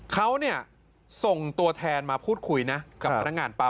เขาเนี่ยส่งตัวแทนมาพูดคุยนะกับพนักงานปั๊ม